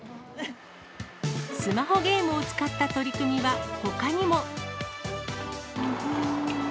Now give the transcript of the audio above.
スマホゲームを使った取り組みはほかにも。